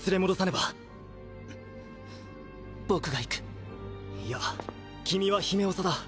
ばんっ僕が行くいや君は姫長だ。